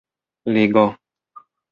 ligo